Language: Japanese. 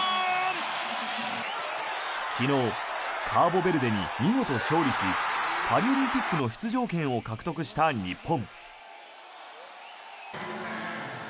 昨日カーボベルデに見事勝利しパリオリンピックの出場権を獲得した日本。